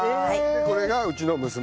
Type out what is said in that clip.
これがうちの娘です。